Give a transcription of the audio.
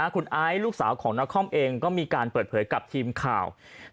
คุณไอซ์ลูกสาวของนครเองก็มีการเปิดเผยกับทีมข่าว